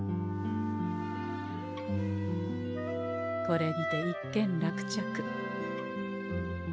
これにて一件落着。